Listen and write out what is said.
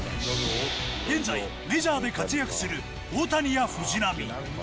現在メジャーで活躍する大谷や藤浪。